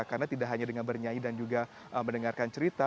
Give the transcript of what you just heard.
karena tidak hanya dengan bernyanyi dan juga mendengarkan cerita